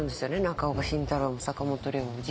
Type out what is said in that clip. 中岡慎太郎も坂本龍馬も。